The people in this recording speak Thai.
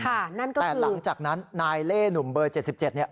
นั่นไงแต่หลังจากนั้นนายเล่หนุ่มเบอร์เจ็ดสิบเจ็ดเนี่ย